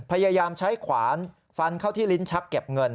พยายามใช้ขวานฟันเข้าที่ลิ้นชักเก็บเงิน